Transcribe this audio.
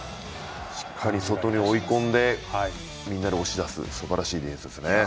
しっかり外に追い込んで外に押し出すすばらしいディフェンスですね。